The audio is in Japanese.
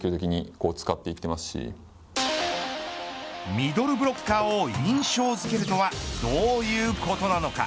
ミドルブロッカーを印象づけるとはどういうことなのか。